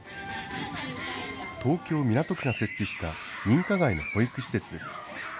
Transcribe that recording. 東京・港区が設置した認可外の保育施設です。